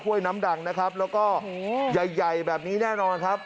น้ำดังนะครับแล้วก็ใหญ่ใหญ่แบบนี้แน่นอนครับ